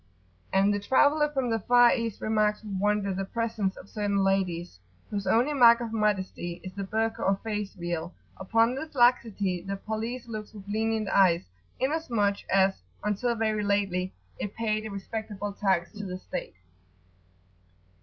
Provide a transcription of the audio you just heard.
And the traveller from the far East remarks with wonder the presence of certain ladies, whose only mark of modesty is the Burka, or face veil: upon this laxity the police looks with lenient eyes, inasmuch as, until very lately, it paid a respectable tax to the state.